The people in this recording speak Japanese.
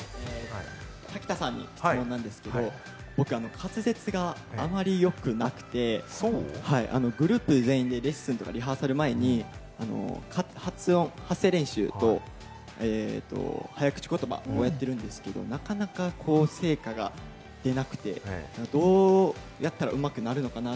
武田さんに質問なんですけど、僕、滑舌があまりよくなくて、グループ全員でレッスンとかリハーサル前に発声練習と早口言葉をやってるんですけれど、なかなか成果が出なくてどうやったらうまくなるのかな？